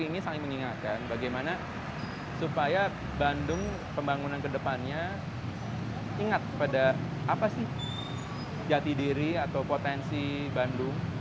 ini saling mengingatkan bagaimana supaya bandung pembangunan kedepannya ingat pada apa sih jati diri atau potensi bandung